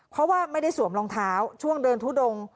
เพราะว่าไม่ได้สวมรองเท้าช่วงเดินทุดง